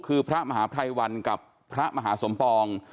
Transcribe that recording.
คือพระมหาภัยวันกับพระมหาสมปอง